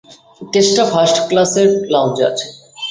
কেসটা ফার্স্ট ক্লাসের লাউঞ্জে আছে।